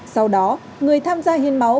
sau đó người tham gia hiên máu